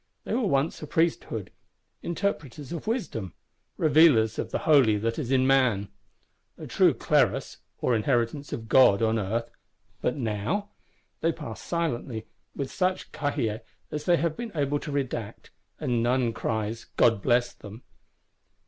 They were once a Priesthood, interpreters of Wisdom, revealers of the Holy that is in Man: a true Clerus (or Inheritance of God on Earth): but now?—They pass silently, with such Cahiers as they have been able to redact; and none cries, God bless them.